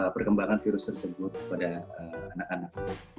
perkembangan virus tersebut pada anak anak